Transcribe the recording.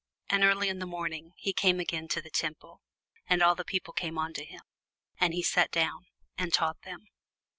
And early in the morning he came again into the temple, and all the people came unto him; and he sat down, and taught them.